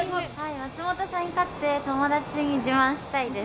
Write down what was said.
松本さんに勝って友達に自慢したいです。